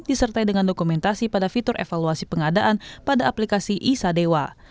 disertai dengan dokumentasi pada fitur evaluasi pengadaan pada aplikasi isadewa